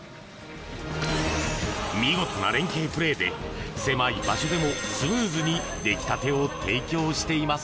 見事な連係プレーで狭い場所でもスムーズに出来たてを提供しています。